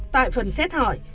tại phần xét hỏi